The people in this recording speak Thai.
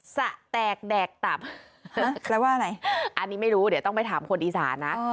สะแตกแดกตับแปลว่าอะไรอันนี้ไม่รู้เดี๋ยวต้องไปถามคนอีสานนะ